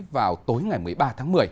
vào tối ngày một mươi ba tháng một mươi